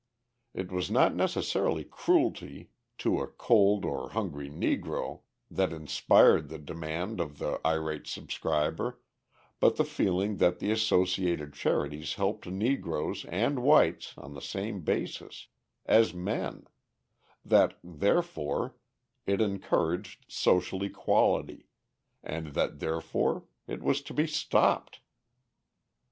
It was not necessarily cruelty to a cold or hungry Negro that inspired the demand of the irate subscriber, but the feeling that the associated charities helped Negroes and whites on the same basis, as men; that, therefore, it encouraged "social equality," and that, therefore, it was to be stopped.